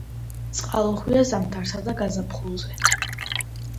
წყალუხვია ზამთარსა და გაზაფხულზე.